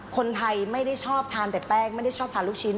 คนไทยไม่ได้ชอบทานแต่แป้งไม่ได้ชอบทานลูกชิ้น